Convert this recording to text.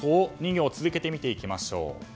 ２行続けて見ていきましょう。